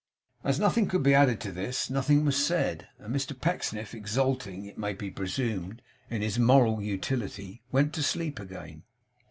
As nothing could be added to this, nothing was said; and Mr Pecksniff, exulting, it may be presumed, in his moral utility, went to sleep again.